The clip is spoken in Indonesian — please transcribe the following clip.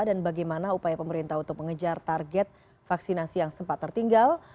dan bagaimana upaya pemerintah untuk mengejar target vaksinasi yang sempat tertinggal